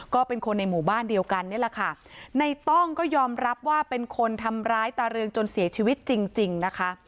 ก็เป็นคนในหมู่บ้านเดียวกันนี่แหละค่ะในต้องก็ยอมรับว่าเป็นคนทำร้ายตาเรืองจนเสียชีวิตจริงจริงนะคะ